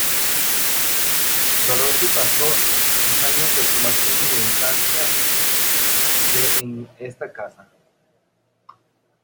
Dorothy pasó sus años de formación y la infancia de en esta casa.